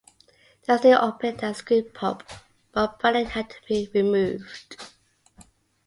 They still operated as Scream Pub, but all branding had to be removed.